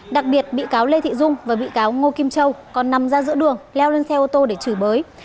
đặc biệt bị cáo lê thị dung và bị cáo ngô kim châu còn nằm ra giữa đường leo lên xe ô tô để chửi bới